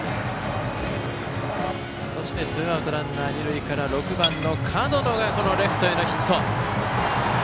そしてツーアウトランナー、二塁から門野がレフトへのヒット。